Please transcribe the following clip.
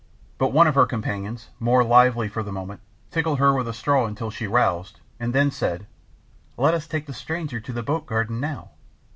But one of her companions, more lively for the moment, tickled her with a straw until she roused, and then said, "Let us take the stranger to the boat garden now.